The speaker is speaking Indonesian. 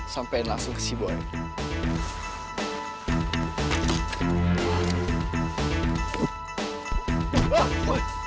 sampai langsung sibuk